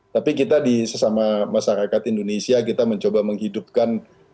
tapi kita di sesama masyarakat indonesia kita mencoba menghidupkan